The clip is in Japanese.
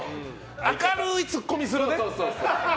明るいツッコミするね。